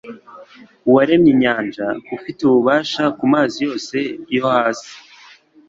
Uwaremye inyanja, ufite ububasha ku mazi yose yo hasi